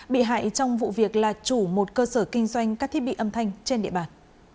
bị hại trong vụ việc là chủ một cơ sở kinh doanh các thiết bị âm thanh trên địa bàn